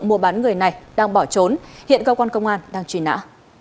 đối tượng mua bán người này đang bỏ trốn hiện cơ quan công an đang truy nã